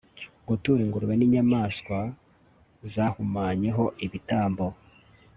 gutura ingurube n'inyamaswa zahumanye ho ibitambo